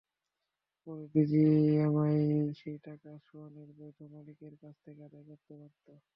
পরে বিজিএমইএ সেই টাকা সোয়ানের বৈধ মালিকদের কাছ থেকে আদায় করতে পারত।